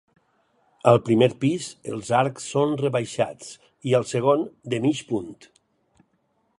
Al primer pis els arcs són rebaixats i al segon, de mig punt.